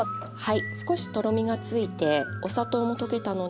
はい。